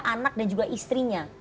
anak dan juga istrinya